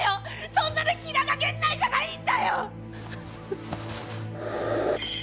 そんなの平賀源内じゃないんだよっ！